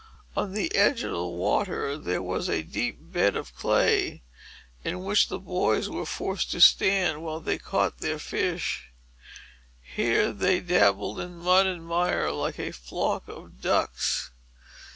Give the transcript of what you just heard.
On the edge of the water there was a deep bed of clay, in which the boys were forced to stand, while they caught their fish. Here they dabbled in mud and mire like a flock of ducks.